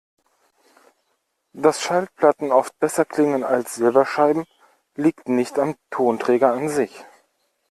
Dass Schallplatten oft besser klingen als Silberscheiben, liegt nicht am Tonträger an sich.